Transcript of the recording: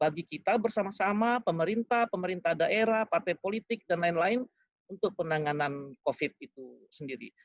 bagi kita bersama sama pemerintah pemerintah daerah partai politik dan lain lain untuk penanganan covid itu sendiri